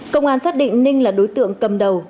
công an xác định ninh là đối tượng cầm đầu